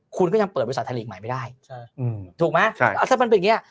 คุณก็ยังเปิดบริษัทไทยลีกใหม่ไม่ได้ถูกไหมถ้ามันเป็นอย่างเงี้